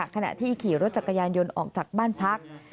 ขณะที่ขี่รถจักรยานยนต์ออกจากบ้านพัก